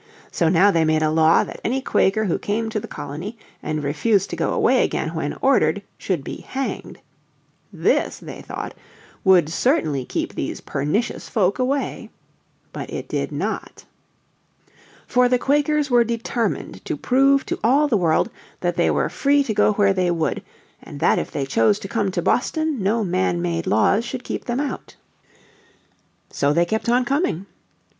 So now they made a law that any Quaker who came to the colony and refused to go away again when ordered should be hanged. This, they thought, would certainly keep these pernicious folk away. But it did not. For the Quakers were determined to prove to all the world that they were free to go where they would, and that if they chose to come to Boston no man made laws should keep them out. So they kept on coming.